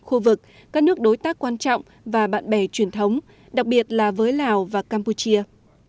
khu vực các nước đối tác quan trọng và bạn bè truyền thống đặc biệt là với lào và campuchia